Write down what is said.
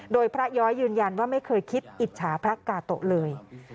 โดยพระย้อยยืนยันว่าไม่เคยคิดอิจฉาพระกาโตะเลย